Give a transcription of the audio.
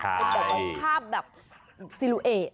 เป็นแบบภาพแบบสิลุเอ